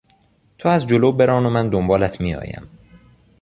تو از جلو بران و من دنبالت میآیم.